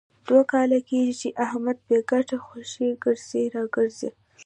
دوه کاله کېږي، چې احمد بې ګټې خوشې ګرځي را ګرځي.